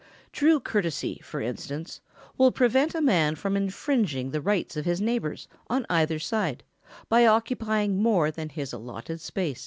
] True courtesy, for instance, will prevent a man from infringing the rights of his neighbours on either side by occupying more than his own allotted space.